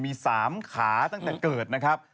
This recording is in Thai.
มี๓ขาตั้งแต่เกิดนะครับ